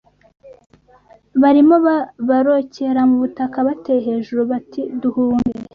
barimo barokera mu butaka bateye hejuru bati duhunge